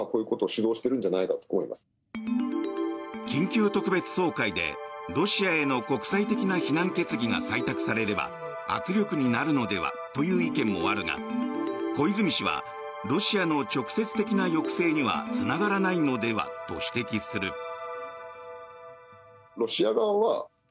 緊急特別総会でロシアへの国際的な非難決議が採択されれば圧力になるのではという意見もあるが小泉氏はロシアの直接的な抑制にはつながらないのではと指摘する。